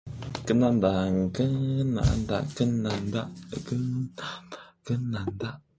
이러한 생각을 하면서 이리저리로 왔다갔다할 때 그의 마음은 조금 가라앉은 듯하였다.